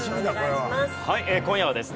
はい今夜はですね